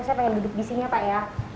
saya pengen duduk di sini ya pak ya